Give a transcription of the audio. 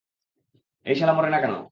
এই সালা মরে না কেন?